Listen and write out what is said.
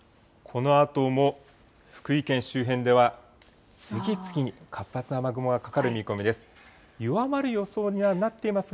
このあとも福井県周辺では、次々に活発な雨雲がかかる見込みです。